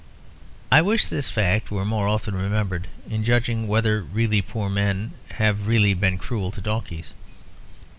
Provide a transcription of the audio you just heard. I wish this fact were more often remembered, in judging whether really poor men have really been cruel to donkeys.